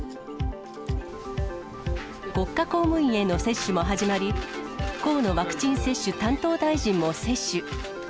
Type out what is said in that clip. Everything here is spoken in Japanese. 国家公務員への接種も始まり、河野ワクチン接種担当大臣も接種。